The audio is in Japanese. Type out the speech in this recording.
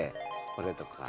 これとか。